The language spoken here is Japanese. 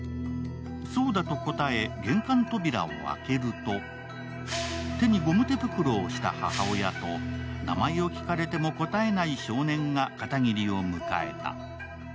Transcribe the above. そうだと答え、玄関扉を開けると手にゴム手袋をした母親と名前を聞かれても答えない少年が片桐を迎えた。